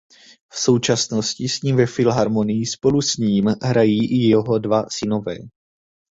V současnosti s ním ve filharmonii spolu s ním hrají i jeho dva synové.